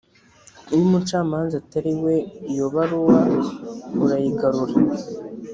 iyo umucamanza atari iwe iyo baruwa urayigarura